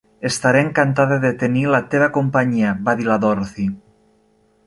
"Estaré encantada de tenir la teva companyia", va dir la Dorothy.